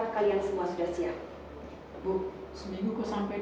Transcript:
kamu siap mak anak